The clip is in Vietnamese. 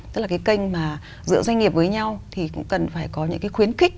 tức là cái kênh mà giữa doanh nghiệp với nhau thì cũng cần phải có những cái khuyến khích